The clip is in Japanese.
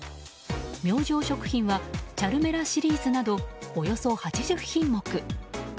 明星食品はチャルメラシリーズなどおよそ８０品目。